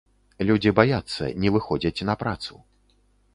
Людзі баяцца, не выходзяць на працу.